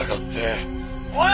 おい！